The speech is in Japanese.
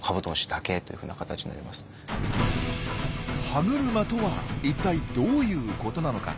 歯車とは一体どういうことなのか。